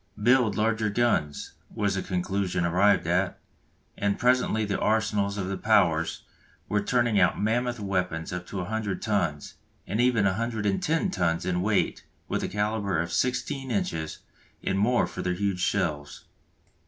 "Build larger guns" was the conclusion arrived at, and presently the arsenals of the Powers were turning out mammoth weapons up to 100 tons, and even 110 tons in weight with a calibre of 16 inches and more for their huge shells.